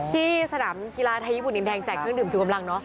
ที่สนามกีฬาไทยญี่ปุ่นอินแดงแจกเพิ่งดื่มชุดกำลัง